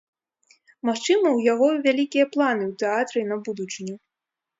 Магчыма, у яго вялікія планы ў тэатры на будучыню.